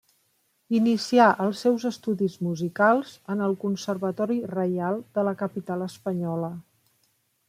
Inicià els seus estudis musicals en el Conservatori Reial de la capital espanyola.